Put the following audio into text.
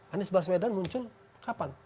anies basmedan muncul kapan